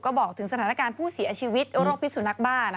ก็บอกถึงสถานการณ์ผู้เสียชีวิตโรคพิสุนักบ้า